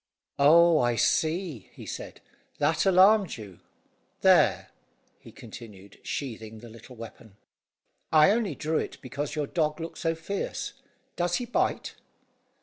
"Oh, I see," he said, "that alarmed you. There," he continued, sheathing the little weapon, "I only drew it because your dog looked so fierce. Does he bite?"